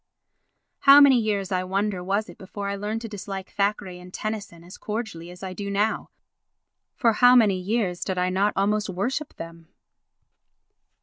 How many years, I wonder, was it before I learned to dislike Thackeray and Tennyson as cordially as I now do? For how many years did I not almost worship them?